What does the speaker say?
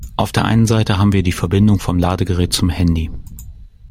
Auf der einen Seite haben wir die Verbindung vom Ladegerät zum Handy.